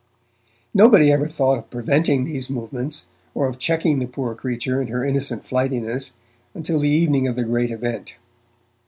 Nobody ever thought of preventing these movements, or of checking the poor creature in her innocent flightiness, until the evening of the great event.